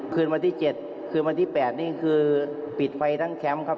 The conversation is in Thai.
คืนวันที่๗คืนวันที่๘นี่คือปิดไฟทั้งแชมป์ครับ